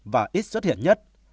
và ít xuất hiện nhất